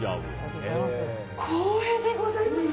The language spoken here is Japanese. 光栄でございます。